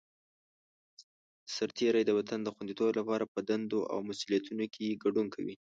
سرتېری د وطن د خوندیتوب لپاره په دندو او مسوولیتونو کې ګډون کوي.